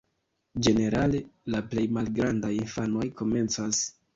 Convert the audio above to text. Ĝenerale la plej malgrandaj infanoj komencas.